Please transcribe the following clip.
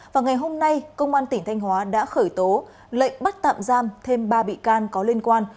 và ngày hôm nay công an tỉnh thanh hóa đã khởi tố lệnh bắt tạm giam thêm ba bị can có liên quan